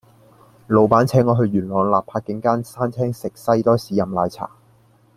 老闆請我去元朗納柏徑間餐廳食西多士飲奶茶